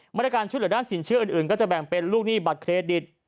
มาตรการช่วยเหลือด้านสินเชื่ออื่นก็จะแบ่งเป็นลูกหนี้บัตรเครดิต